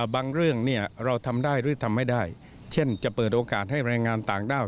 เรื่องเราทำได้หรือทำไม่ได้เช่นจะเปิดโอกาสให้แรงงานต่างด้าว